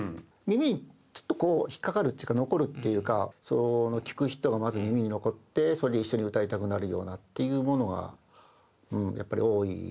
耳にちょっと引っ掛かるっていうか残るっていうか聴く人がまず耳に残ってそれで一緒に歌いたくなるようなっていうものがやっぱり多い。